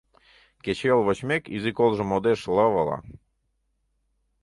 Кечыйол вочмек, изи колжо модеш лывыла.